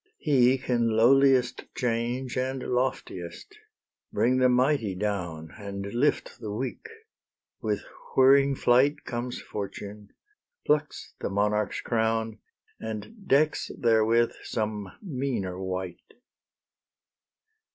He can lowliest change And loftiest; bring the mighty down And lift the weak; with whirring flight Comes Fortune, plucks the monarch's crown, And decks therewith some meaner wight.